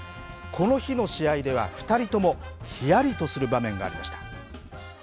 この日の試合では、２人ともひやりとする場面がありました。